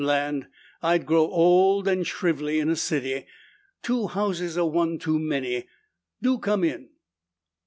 Land! I'd grow old and shrively in a city! Two houses are one too many! Do come in."